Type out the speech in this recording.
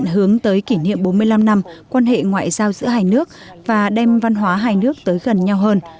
hướng tới kỷ niệm bốn mươi năm năm quan hệ ngoại giao giữa hai nước và đem văn hóa hai nước tới gần nhau hơn